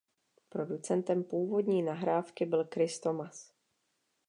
Producentem původní nahrávky byl Chris Thomas.